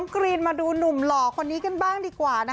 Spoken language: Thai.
กรีนมาดูหนุ่มหล่อคนนี้กันบ้างดีกว่า